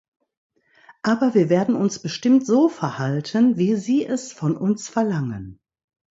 Aber wir werden uns bestimmt so verhalten, wie Sie es von uns verlangen.